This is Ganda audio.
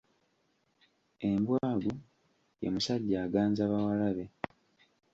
Embwagu ye musajja aganza bawalabe.